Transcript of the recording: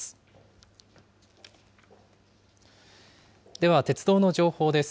では鉄道の情報です。